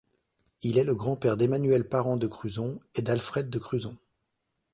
Il est le grand-père d'Emmanuel Parent de Curzon et d'Alfred de Curzon.